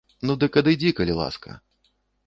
Ну дык адыдзі, калі ласка.